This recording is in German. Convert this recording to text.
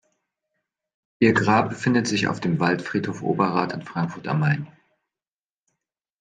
Ihr Grab befindet sich auf dem Waldfriedhof Oberrad in Frankfurt am Main.